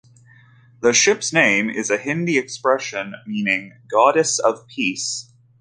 The ship's name is a Hindi expression meaning goddess of Peace.